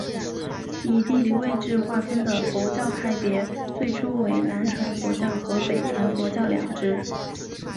以地理位置划分的佛教派别最初为南传佛教和北传佛教两支。